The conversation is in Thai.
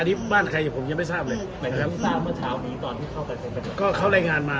ถ้าท่านขอบบัตรรอขึ้นตาม